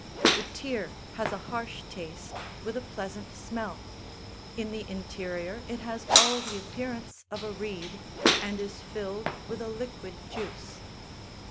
The tear has a harsh taste, with a pleasant smell ; in the interior it has all the appearance of a reed, and is filled with a liquid juice.